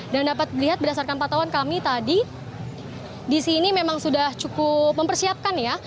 dan dapat dilihat berdasarkan patauan kami tadi di sini memang sudah cukup mempersiapkan ya